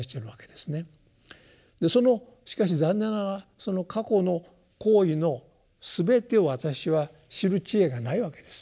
そのしかし残念ながらその過去の行為の全てを私は知る智慧がないわけです。